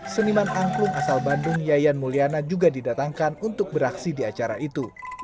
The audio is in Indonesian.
seniman angklung asal bandung yayan mulyana juga didatangkan untuk beraksi di acara itu